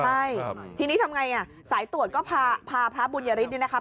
ใช่ทีนี้ทำไงอ่ะสายตรวจก็พาพระบุญยฤทธนี่นะคะ